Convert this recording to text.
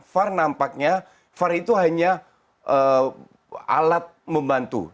var nampaknya var itu hanya alat membantu